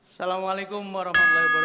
assalamu'alaikum warahmatullahi wabarakatuh